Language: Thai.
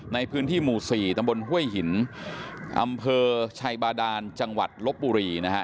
ในพื้นที่หมู่๔ตำบลห้วยหินอำเภอชัยบาดานจังหวัดลบบุรีนะฮะ